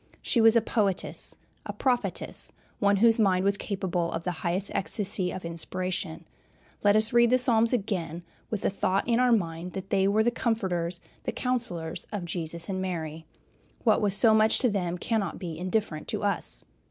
She was a poetess, a prophetess, one whose mind was capable of the highest ecstasy of inspiration. Let us read the Psalms again, with the thought in our mind that they were the comforters, the counselors of Jesus and Mary. What was so much to them cannot be indifferent to us.